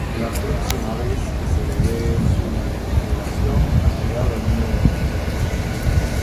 La próxima vez que se le ve su tripulación ha llegado al Nuevo Mundo.